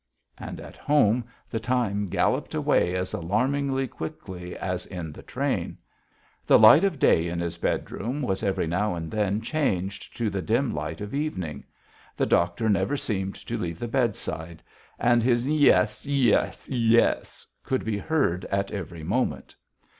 And at home the time galloped away as alarmingly quickly as in the train.... The light of day in his bedroom was every now and then changed to the dim light of evening.... The doctor never seemed to leave the bedside, and his "Yies, yies, yies," could be heard at every moment.